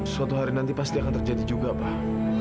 suatu hari nanti pasti akan terjadi juga pak